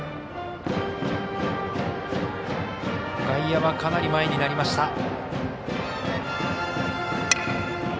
外野はかなり前になりました。